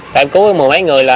tại em cứu mấy người là